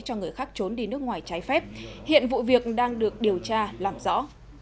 cho người khác trốn đi nước ngoài trái phép hiện vụ việc đang được điều tra làm rõ